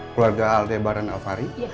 keluarga alteh baren alvari